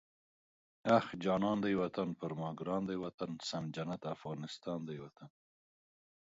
اخ جانان دی وطن، پر ما ګران دی وطن، سم جنت افغانستان دی وطن